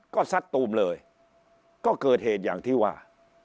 ก็ซัดตูมเลยก็เกิดเหตุอย่างที่ว่า